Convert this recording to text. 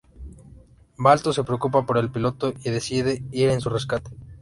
Balto se preocupa por el piloto y decide ir en su rescate.